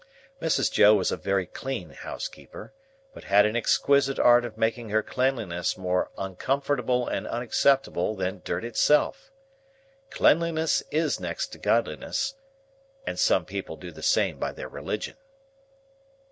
Mrs. Joe was a very clean housekeeper, but had an exquisite art of making her cleanliness more uncomfortable and unacceptable than dirt itself. Cleanliness is next to Godliness, and some people do the same by their religion.